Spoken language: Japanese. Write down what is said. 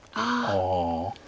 ああ。